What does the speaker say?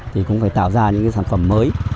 thì cũng phải tạo ra những sản phẩm mới